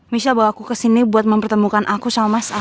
misal bawa aku kesini buat mempertemukan aku sama mas agus